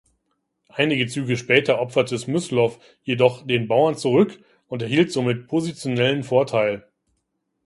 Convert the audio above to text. Einige Züge später opferte Smyslow jedoch den Bauern zurück und erhielt somit positionellen Vorteil.